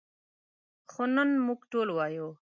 خو نن موږ ټول وایو.